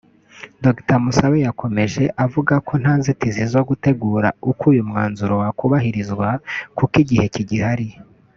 Dr Musabe yakomeje yavuze ko nta nzitizi zo gutegura uko uyu mwanzuro wakubahirizwa kuko igihe kigihari